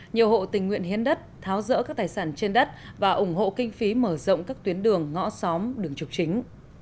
nhiều hộ tình nguyện hiến đất tháo rỡ các tài sản trên đất và ủng hộ kinh phí mở rộng các tuyến đường ngõ xóm đường trục chính